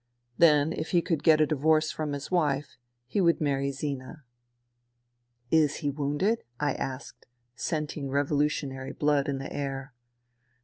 Then if he could get a divorce from his wife he would marry Zina. " Is he wounded ?" I asked, scenting revolutionary blood in the air.